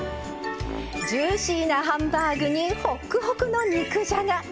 ジューシーなハンバーグにほくほくの肉じゃが。